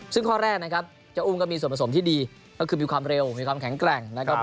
ซึ่งข้อแรกนะครับเจ้าอุ้มก็มีส่วนผสมที่ดีก็คือมีความเร็วมีความแข็งแกร่งนะครับ